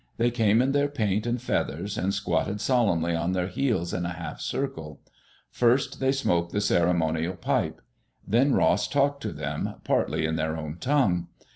They came in their paint and feathers, and squatted solemnly on their heels in a half circle. First they smoked the ceremonial pipe. Then Ross talked to them, partly in their own tongue.